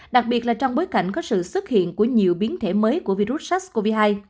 đặc biệt là trong bối cảnh có sự xuất hiện của nhiều biến thể mới của virus sars cov hai